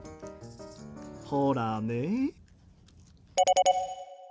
ほらね。